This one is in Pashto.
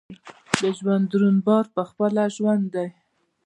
د ژوند دروند بار پخپله ژوند دی.